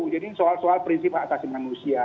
jadi soal soal prinsip atasi manusia